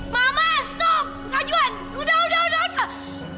mama stop kak juan udah udah udah udah